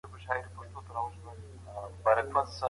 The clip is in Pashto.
قومي مشران د پوره قانوني خوندیتوب حق نه لري.